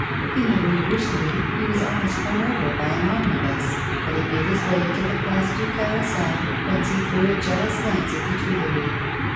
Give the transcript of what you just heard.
A STARTLING PROPOSITION. 69 In tlie Rue Richelieu he was almost run over by an omnibus, but he made his way to the Place du Carrousel, whence be threw a jealous glance at the Tuileries.